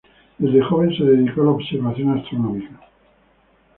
Desde joven se dedicó a la observación astronómica.